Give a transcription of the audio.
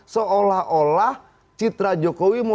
seolah olah citra jokowi mau